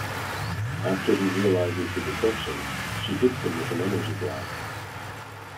After he realizes the deception, she hits him with an energy blast.